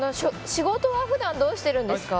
仕事は普段どうしてるんですか？